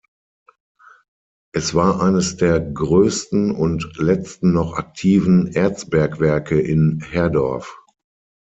Es war eines der größten und letzten noch aktiven Erzbergwerke in Herdorf.